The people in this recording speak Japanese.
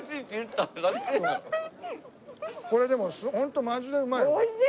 これでもホントマジでうまいね。